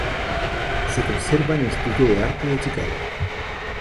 Se conserva en el Instituto de Arte de Chicago.